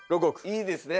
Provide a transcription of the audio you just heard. いいですね？